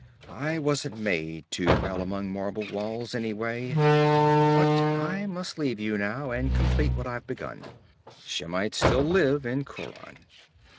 I wasn't made to dwell among marble walls, anyway. But I must leave you now, and complete what I've begun. Shemites still live in Khauran.'